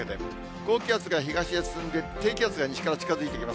高気圧が東へ進んで、低気圧が西から近づいてきます。